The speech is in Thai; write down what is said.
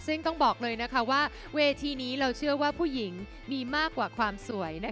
ซึ่งต้องบอกเลยว่าเวทีนี้เราเชื่อว่าผู้หญิงมีมากกว่าความสวย